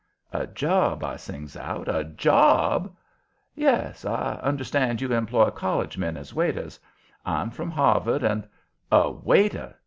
"A job!" I sings out. "A JOB?" "Yes. I understand you employ college men as waiters. I'm from Harvard, and " "A waiter?"